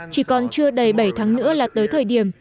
chỉ còn chưa đầy bảy tháng nữa là tới thời điểm